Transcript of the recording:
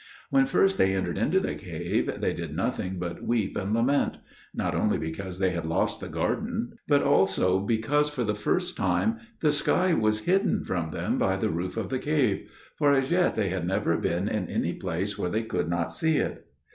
When first they entered into the cave, they did nothing but weep and lament: not only because they had lost the garden, but also because for the first time the sky was hidden from them by the roof of the cave; for as yet they had never been in any place where they could not see it.